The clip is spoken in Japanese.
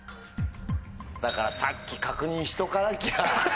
だからさっき確認しとかなきゃ